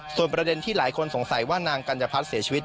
ส่วนประเด็นที่หลายคนสงสัยว่านางกัญญพัฒน์เสียชีวิต